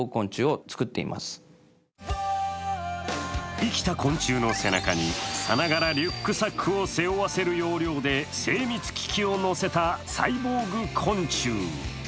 生きた昆虫の背中にさながらリュックサックを背負わせる要領で精密機器を載せたサイボーグ昆虫。